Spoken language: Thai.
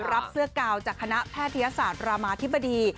รับเสื้อกาวจากคณะแพทยสารรามภิพธิ